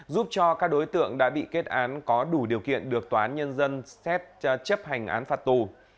giúp cho các đối tượng đã bị kết án có đủ điều kiện được tòa án nhân dân chấp hành án phạt tù